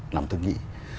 làm tôi nghĩ